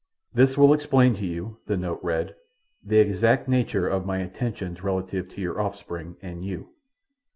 "This will explain to you" [the note read] "the exact nature of my intentions relative to your offspring and to you.